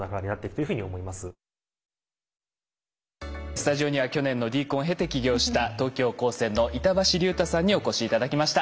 スタジオには去年のＤＣＯＮを経て起業した東京高専の板橋竜太さんにお越し頂きました。